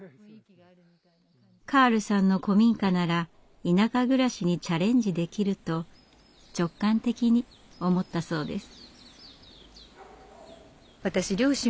カールさんの古民家なら田舎暮らしにチャレンジできると直感的に思ったそうです。